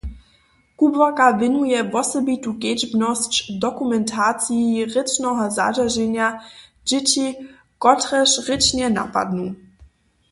Kubłarka wěnuje wosebitu kedźbnosć dokumentaciji rěčneho zadźerženja dźěći, kotrež rěčnje napadnu.